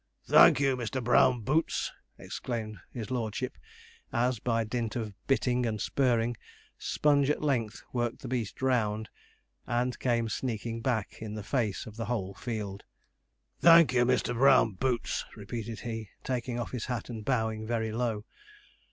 'Thank you, Mr. Brown Boots!' exclaimed his lordship, as, by dint of bitting and spurring, Sponge at length worked the beast round, and came sneaking back in the face of the whole field. 'Thank you, Mr. Brown Boots,' repeated he, taking off his hat and bowing very low.